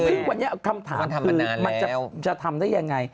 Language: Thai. ซึ่งวันนี้คำถามคือมันจะทำได้ยังไง